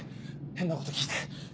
変なこと聞いて。